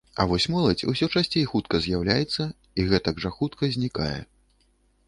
А вось моладзь усё часцей хутка з'яўляецца і гэтак жа хутка знікае.